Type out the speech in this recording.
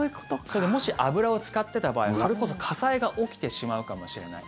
それで、もし油を使っていた場合それこそ火災が起きてしまうかもしれない。